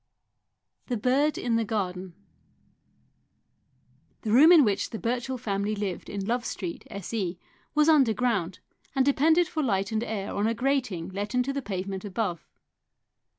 11 THE BIRD IN THE GARDEN THE room in which the Burchell family lived in Love Street, S.E., was underground and depended for light and air on a grating let into the pavement above.